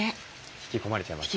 引き込まれちゃいますね。